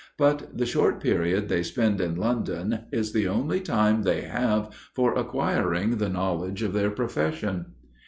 But the short period they spend in London, is the only time they have for acquiring the knowledge of their profession.